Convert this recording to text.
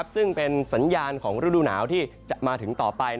ซึ่งเป็นสัญญาณของฤดูหนาวที่จะมาถึงต่อไป